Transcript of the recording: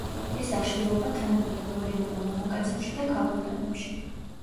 ეს აშლილობა თანაბრად გვევლინება მამაკაცებში და ქალბატონებში.